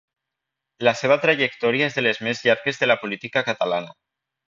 La seva trajectòria és de les més llargues de la política catalana.